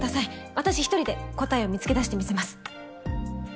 私１人で答えを見つけだしてみせます。